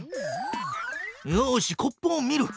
よしコップを見る！